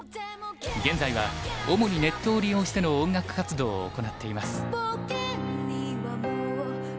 現在は主にネットを利用しての音楽活動を行っています。